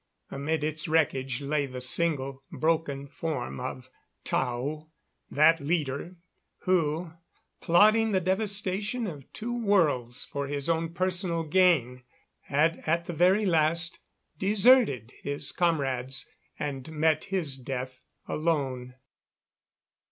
Amid its wreckage lay the single, broken form of Tao that leader who, plotting the devastation of two worlds for his own personal gain, had at the very last deserted his comrades and met his death alone.